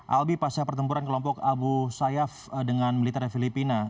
albi pasca pertempuran kelompok abu sayyaf dengan militer filipina